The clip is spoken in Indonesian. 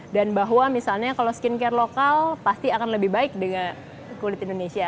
dan bahwa misalnya kalau skincare lokal pasti akan lebih baik dengan kulit indonesia